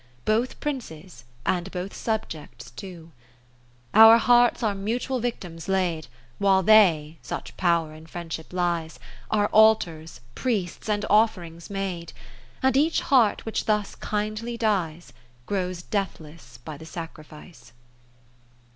Both Princes, and both subjects too. VI Our hearts are mutual victims laid, While they (such power in Friend ship lies) Are Altars, Priests, and Off'rings made : And each heart which thus kindly dies. Grows deathless by the sacrifice.